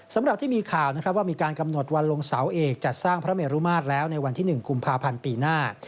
สำหรับที่มีข่าวนะครับว่ามีการกำหนดวันลงเสาเอกจัดสร้างพระเมรุมาตรแล้วในวันที่๑กุมภาพันธ์ปีหน้า